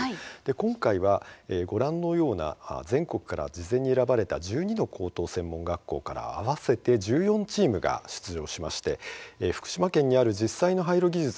今回はご覧のような全国から事前に選ばれた１２の高等専門学校から合わせて１４チームが出場しまして福島県にある実際の廃炉技術の開発